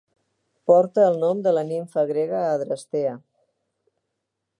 Porta el nom de la nimfa grega Adrastea.